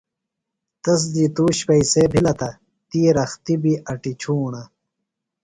تس دی تُوش پئیسے بِھلہ تہ تی رختیۡ بیۡ اٹیۡ چُھوݨہ۔